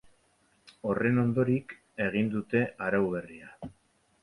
Horren ondorik egin dute arau berria.